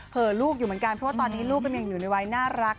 ลูกอยู่เหมือนกันเพราะว่าตอนนี้ลูกก็ยังอยู่ในวัยน่ารัก